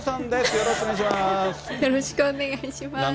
よろしくお願いします。